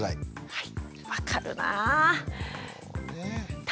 はい。